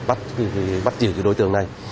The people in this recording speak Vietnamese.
bắt bắt chiều cái đối tượng này